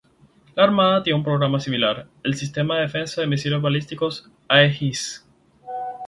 La Armada tiene un programa similar, el sistema de defensa de misiles balísticos Aegis.